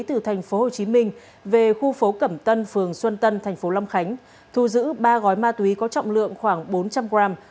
từ tp hcm về khu phố cẩm tân phường xuân tân tp long khánh thu giữ ba gói ma túy có trọng lượng khoảng bốn trăm linh g